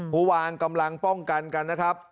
ผู้วางกำลังป้องกันกันนะครับ